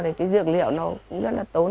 thì cái dược liệu nó cũng rất là tốn